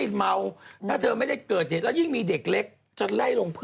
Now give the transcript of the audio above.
ถ้าเธอไม่ได้เกิดเหตุแล้วยิ่งมีเด็กเล็กจนไล่ลงพื้น